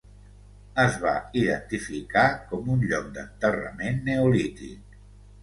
Es va identificar com un lloc d'enterrament neolític.